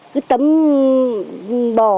cái tấm bò